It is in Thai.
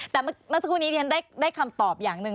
แต่เมื่อสักครู่นี้ที่ฉันได้คำตอบอย่างหนึ่ง